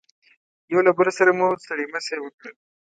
یو له بل سره مو ستړي مشي وکړل.